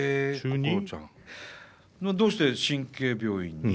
どうして神経病院に？